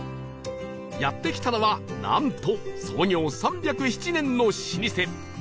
やって来たのはなんと創業３０７年の老舗鶴喜そば